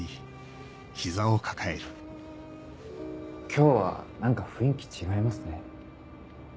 今日は何か雰囲気違いますね。